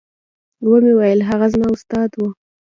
ومې ويل هغه زما استاد و.